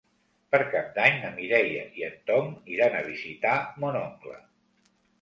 Per Cap d'Any na Mireia i en Tom iran a visitar mon oncle.